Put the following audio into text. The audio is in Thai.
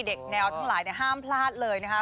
เด็กแนวทั้งหลายเนี่ยห้ามพลาดเลยนะครับ